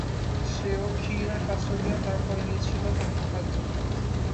সে ও খিঁর আর কাস্টার্ড নিয়ে তার পরে গিয়েছিল হয়তো।